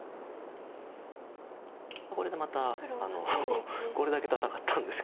これでまたこれだけ戦ったんですけど。